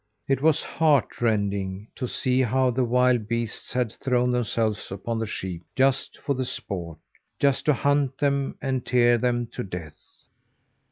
It was heart rending to see how the wild beasts had thrown themselves upon the sheep just for sport just to hunt them and tear them to death.